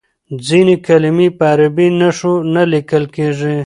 ځینې کلمې په عربي نښو نه لیکل کیږي.